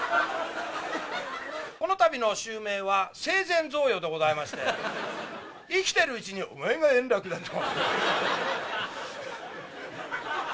このたびの襲名は、生前贈与でございまして、生きているうちに、お前が円楽だと。